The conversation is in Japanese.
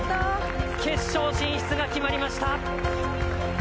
決勝進出が決まりました！